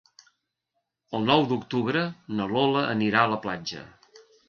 El nou d'octubre na Lola anirà a la platja.